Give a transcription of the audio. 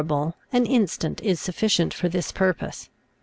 able, an instant is sufficient for this purpose.